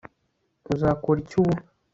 uzakora iki ubu